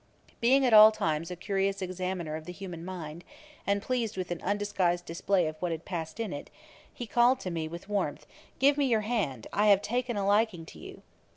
Being at all times a curious examiner of the human mind, and pleased with an undisguised display of what had passed in it, he called to me with warmth, 'Give me your hand; I have taken a liking to you.'